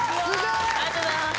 ありがとうございます。